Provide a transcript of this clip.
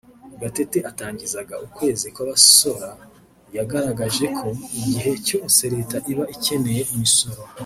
Gatete atangizaga ukwezi kw’abasora yagaragaje ko igihe cyose Leta iba ikeneye imisoro